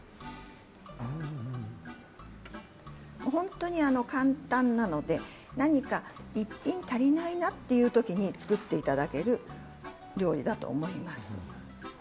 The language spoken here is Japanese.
本当に簡単なので何か一品足りないときに作っていただける料理だと思います。